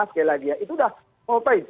sekali lagi ya itu sudah mau ngopain